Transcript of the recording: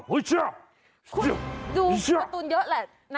คุณดูการ์ตูนเยอะแหละ